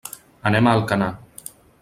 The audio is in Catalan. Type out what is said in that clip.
Anem a Alcanar.